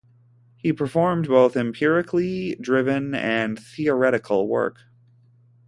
He performed both empirically driven and theoretical work.